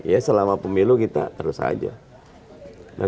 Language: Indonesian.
ya selama pemilu kita terus saja